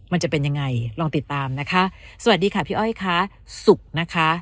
มันจะเป็นยังไงลองติดตามนะคะสวัสดีค่ะพี่อ้อยค่ะศุกร์นะคะ